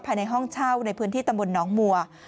ภายในห้องเช่าในพื้นที่ตำบลน้องมัว